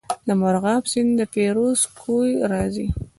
د مرغاب سیند له فیروز کوه راځي